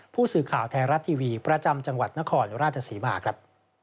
ผู้สื่อข่าวไทยรัฐทีวีประจำจังหวัดนครราชศรีมาครับ